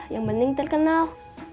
yang penting terkenal